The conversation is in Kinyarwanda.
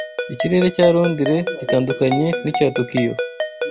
Ikirere cya Londres gitandukanye n'icya Tokiyo.